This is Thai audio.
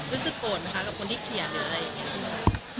รู้สึกโกรธไหมคะกับคนที่เขียนหรืออะไรอย่างนี้